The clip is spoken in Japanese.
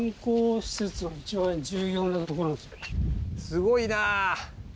すごいなあ。